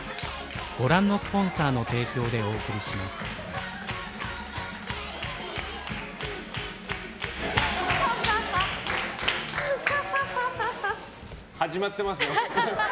登場！始まってますよ。